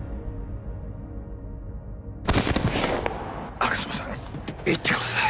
吾妻さん行ってください